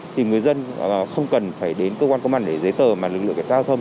thì người dân không cần phải đến cơ quan công an để giấy tờ mà lực lượng kẻ xã hội thông